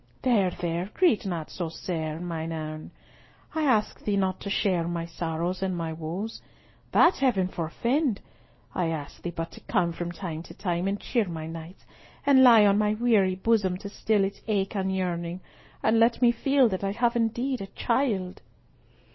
"There, there; greet not so sair, mine ain. I ask thee not to share my sorrows and my woes. That Heaven forefend. I ask thee but to come from time to time and cheer my nights, and lie on my weary bosom to still its ache and yearning, and let me feel that I have indeed a child."